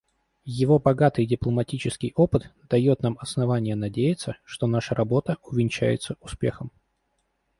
Его богатый дипломатический опыт дает нам основания надеяться, что наша работа увенчается успехом.